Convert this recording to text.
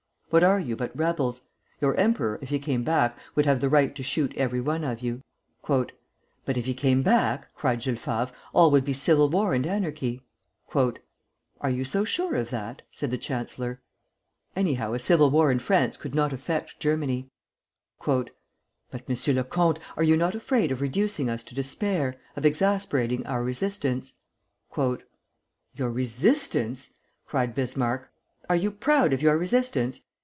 What are you but rebels? Your emperor if he came back would have the right to shoot every one of you." "But if he came back," cried Jules Favre, "all would be civil war and anarchy." "Are you so sure of that?" said the chancellor. "Anyhow, a civil war in France could not affect Germany." "But, M. le Comte, are you not afraid of reducing us to despair, of exasperating our resistance?" "Your resistance!" cried Bismarck. "Are you proud of your resistance?